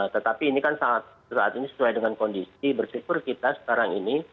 tetapi ini kan saat ini sesuai dengan kondisi bersyukur kita sekarang ini